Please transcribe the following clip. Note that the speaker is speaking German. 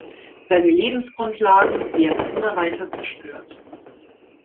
Seine Lebensgrundlagen werden immer weiter zerstört.